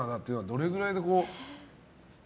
どれぐらいで。